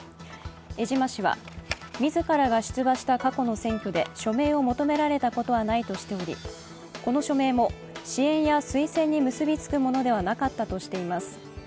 江島氏は自らが出馬した過去の選挙で署名を求められたことはないとしており、この署名も支援や推薦に結びつくものではなかったとしています。